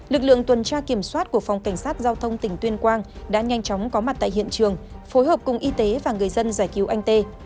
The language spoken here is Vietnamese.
lực lượng tuần tra kiểm soát của phòng cảnh sát giao thông tỉnh tuyên quang đã nhanh chóng có mặt tại hiện trường phối hợp cùng y tế và người dân giải cứu anh tê